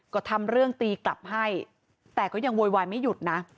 ก็ทำเรื่องตีกลับให้แต่ก็ยังโวยวายไม่หยุดนะ